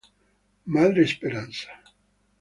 Madre Speranza.